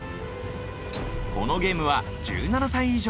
このゲームは１７歳以上が対象。